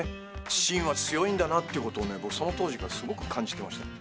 心は強いんだなっていうことをその当時からすごく感じていました。